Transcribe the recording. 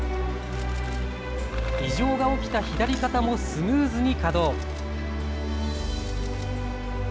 異常が起きた左肩もスムーズに稼働。